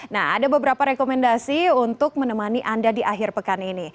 nah ada beberapa rekomendasi untuk menemani anda di akhir pekan ini